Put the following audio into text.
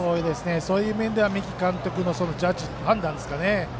そういう意味では三木監督のジャッジ、判断ですね。